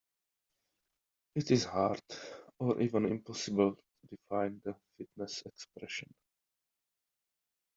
It is hard or even impossible to define the fitness expression.